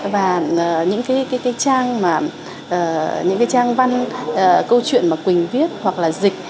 và những cái trang văn câu chuyện mà quỳnh viết hoặc là dịch